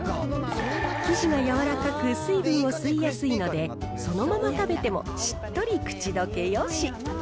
生地が柔らかく、水分を吸いやすいので、そのまま食べても、しっとり口溶けよし。